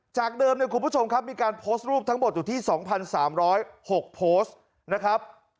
จากเดิมเนี่ยคุณผู้ชมครับมีการโพสต์รูปทั้งหมดอยู่ที่๒๓๐๖โพสต์นะครับ